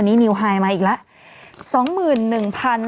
นิวไฮมาอีกแล้ว๒๑๑๑๖